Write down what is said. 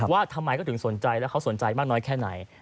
ว่าทำไมเขาถึงสนใจแล้วเขาสนใจมากน้อยแค่ไหน